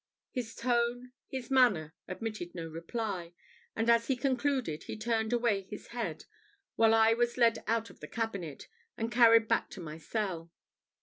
His tone, his manner, admitted no reply; and as he concluded he turned away his head, while I was led out of the cabinet, and carried back to my cell.